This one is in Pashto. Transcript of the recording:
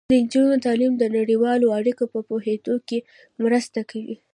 د نجونو تعلیم د نړیوالو اړیکو په پوهیدو کې مرسته کوي.